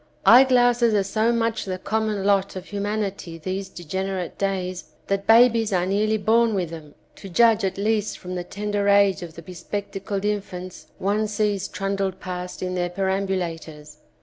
Eye glasses are so much the common lot of humanity these degenerate days that babies are nearly born with them, to judge at least from the tender age of the bespectacled infants one sees trundled past in their per 220 Romance and Eyeglasses ambulators.